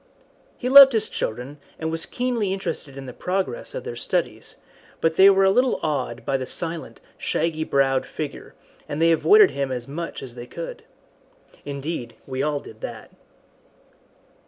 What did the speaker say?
He loved his children, and was keenly interested in the progress of their studies, but they were a little awed by the silent, shaggy browed figure, and they avoided him as much as they could. Indeed, we all did that.